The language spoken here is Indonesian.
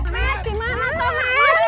memet dimana tomet